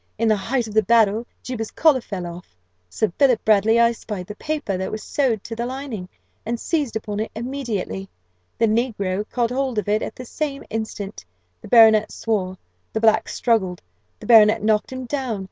In the height of the battle Juba's collar fell off. Sir Philip Baddely espied the paper that was sewed to the lining, and seized upon it immediately: the negro caught hold of it at the same instant: the baronet swore; the black struggled: the baronet knocked him down.